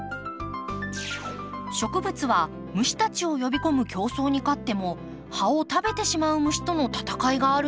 植物は虫たちを呼び込む競争に勝っても葉を食べてしまう虫との戦いがあるんです。